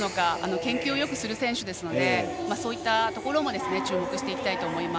研究をよくする選手なのでそういったところも注目していきたいと思います。